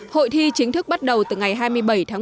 hội thi chính thức bắt đầu từ ngày hai mươi bảy tháng một